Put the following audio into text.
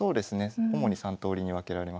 主に３とおりに分けられますね。